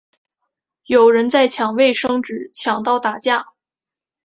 有人在抢卫生纸抢到打架